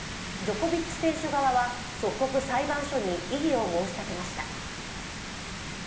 ジョコビッチ選手側は即刻、裁判所に異議を申し立てました。